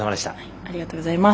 ありがとうございます。